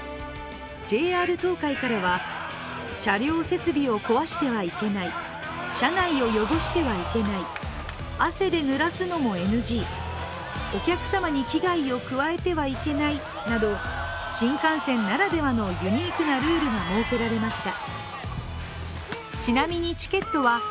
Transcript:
ＪＲ東海からは車両設備を壊してはいけない車内を汚してはいけない、汗でぬらすのもＮＧお客様に危害を加えてはいけないなど新幹線ならではのユニークなルールが設けられました。